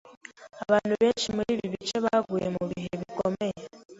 Abantu benshi muri ibi bice baguye mubihe bikomeye.